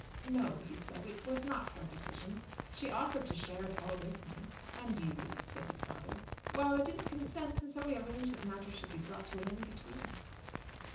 "No," he said; "it was not her decision. She offered to share it all with me." "And you?" said his father. "Well, I didn't consent; and so we arranged that matters should be brought to an end between us."